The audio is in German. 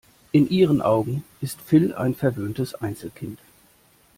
In ihren Augen ist Phil ein verwöhntes Einzelkind.